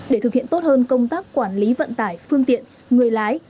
để thực hiện tốt hơn công tác quản lý vận tải phương tiện người lái